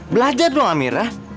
belajar dong amira